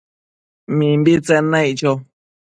Mimbitsen naic cho